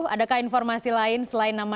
adakah informasi lain selain nama